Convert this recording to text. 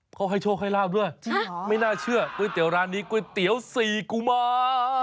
เขาให้โชคให้ลาบด้วยไม่น่าเชื่อก๋วยเตี๋ยวร้านนี้ก๋วยเตี๋ยวสี่กุมา